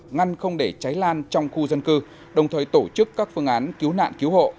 ngăn không để cháy lan trong khu dân cư đồng thời tổ chức các phương án cứu nạn cứu hộ